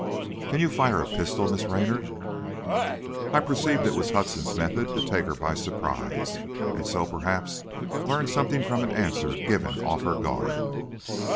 "Can you fire a pistol, Miss Raynor?" I perceived it was Hudson's method to take her by surprise, and so, perhaps, learn something from an answer given off her guard.